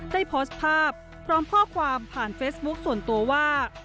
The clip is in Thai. ได้โพสต์ภาพพร้อมข้อความผ่านเฟซบุ๊คส่วนตัวว่า